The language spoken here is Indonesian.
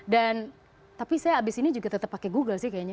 dan tapi saya abis ini juga tetap pakai google sih kayaknya